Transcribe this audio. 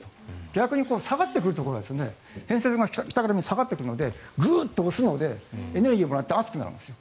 逆に下がってくるところは偏西風が北から下がってきますのでグッと押すのでエネルギーをもらって暑くなるんですよ。